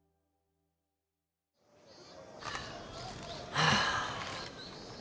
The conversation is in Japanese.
はあ。